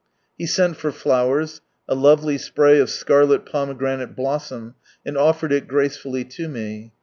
He sent for flowers, a lovely spray of scarlet pomegranate blossom, and offered it gracefully to me.